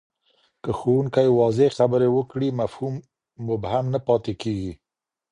که ښوونکی واضح خبري وکړي، مفهوم مبهم نه پاتې کېږي.